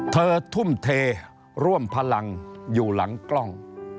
ทุ่มเทร่วมพลังอยู่หลังกล้อง